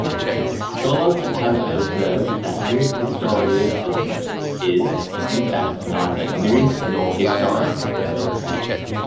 Scholars have observed that New Historicism is, in fact, neither new nor historical.